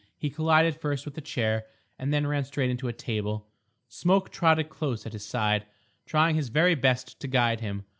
He collided first with a chair, and then ran straight into a table. Smoke trotted close at his side, trying his very best to guide him.